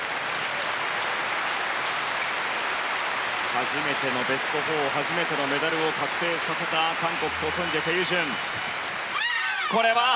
初めてのベスト４初めてのメダルを確定させた韓国ソ・スンジェ、チェ・ユジュン。